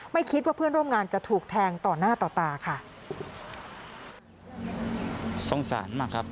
ไม่คิดว่าเพื่อนร่วมงานจะถูกแทงต่อหน้าต่อตาค่ะ